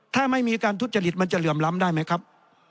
ถ้าไม่มีการทุจริตมันจะเหลื่อมล้ำได้ไหมครับ